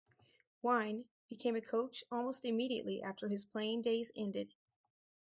Wine became a coach almost immediately after his playing days ended.